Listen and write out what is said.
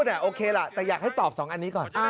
แต่อยากให้ตอบ๒อันนี้ก่อน